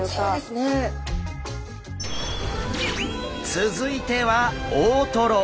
続いては大トロ。